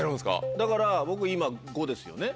だから僕今５ですよね